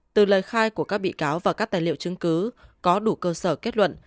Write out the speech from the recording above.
từ lời khai của các bị cáo và các tài liệu chứng cứ có đủ cơ sở kết luận